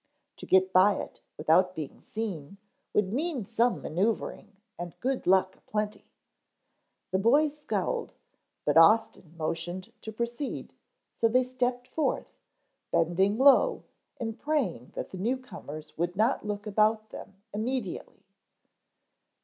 To get by it without being seen would mean some maneuvering and good luck aplenty. The boys scowled, but Austin motioned to proceed, so they stepped forth, bending low and praying that the newcomers would not look about them immediately.